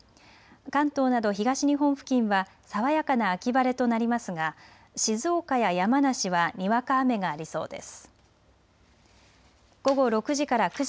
関東など東日本付近は爽やかな秋晴れとなりますが静岡や山梨はにわか雨がありそうです。